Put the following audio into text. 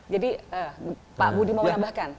jadi pak budi mau menambahkan